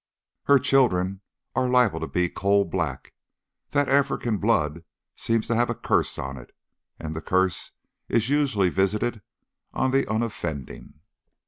Her children are liable to be coal black. That African blood seems to have a curse on it, and the curse is usually visited on the unoffending."